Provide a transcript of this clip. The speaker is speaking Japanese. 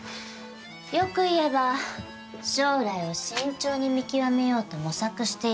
良く言えば将来を慎重に見極めようと模索しているところ。